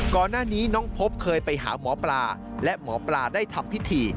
ก่อนหน้านี้น้องพบเคยไปหาหมอปลาและหมอปลาได้ทำพิธี